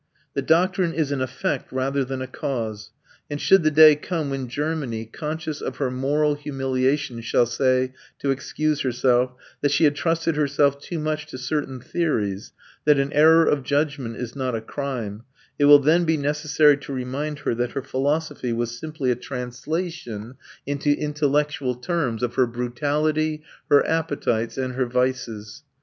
The doctrine is an effect rather than a cause; and should the day come when Germany, conscious of her moral humiliation, shall say, to excuse herself, that she had trusted herself too much to certain theories, that an error of judgment is not a crime, it will then be necessary to remind her that her philosophy was simply a translation into intellectual terms of her brutality, her appetites, and her vices.